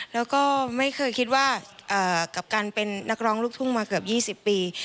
แล้วก็ไม่เคยคิดว่ากับการเป็นนักร้องลูกทุ่งมาเกือบ๒๐ปี